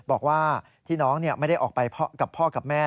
บอกว่าที่น้องไม่ได้ออกไปกับพ่อกับแม่